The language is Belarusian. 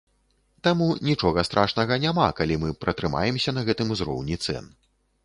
Таму нічога страшнага няма, калі мы пратрымаемся на гэтым узроўні цэн.